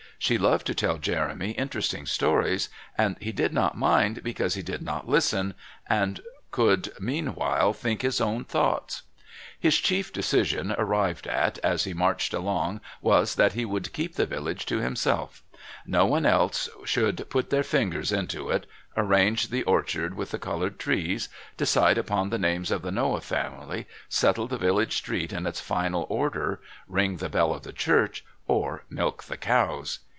She loved to tell Jeremy interesting stories, and he did not mind because he did not listen and could meanwhile think his own thoughts. His chief decision arrived at as he marched along was that he would keep the village to himself; no one else should put their fingers into it, arrange the orchard with the coloured trees, decide upon the names of the Noah family, settle the village street in its final order, ring the bell of the church, or milk the cows.